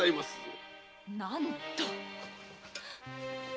なんと！